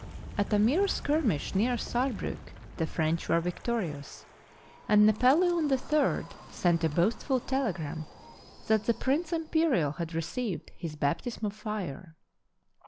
At a mere skirmish, near Saarbriick, the French were victorious, and Napoleon III sent a boastful telegram that the Prince Imperial had received " his baptism of fire."